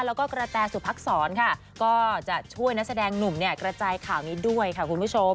แล้วก็กระแตสุพักษรค่ะก็จะช่วยนักแสดงหนุ่มเนี่ยกระจายข่าวนี้ด้วยค่ะคุณผู้ชม